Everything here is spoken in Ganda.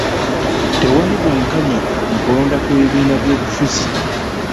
Tewali bwenkanya mu kulonda kw'ebibiina by'obufuzi.